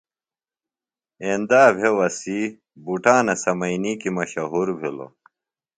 ایندا بھےۡ وسیع بُٹانُوۡ سمئینی کی مشہور بِھلوۡ۔